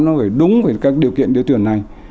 nó phải đúng với các điều kiện để tuyển này